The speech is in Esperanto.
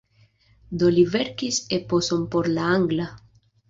Do li verkis eposon por la angla.